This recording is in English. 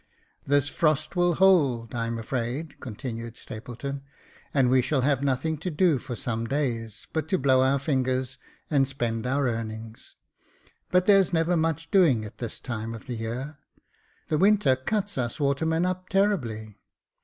" This frost will hold, I'm afraid," continued Stapleton, " and we shall have nothing to do for some days but to blow our fingers and spend our earnings ; but there's never much doing at this time of the year. The winter cuts us watermen up terribly.